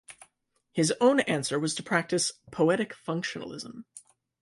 His own answer was to practice 'poetic functionalism'.